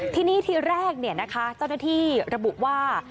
ทีนี้ทีแรกเจ้าหน้าที่ระบุว่า